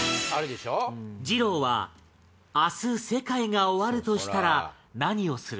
二朗は明日世界が終わるとしたら何をする？